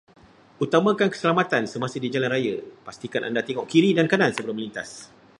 Utamakan keselamatan semasa di jalan raya, pastikan anda tengok kiri dan kanan sebelum menlintas.